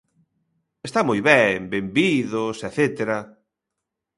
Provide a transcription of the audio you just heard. Está moi ben, benvidos etcétera.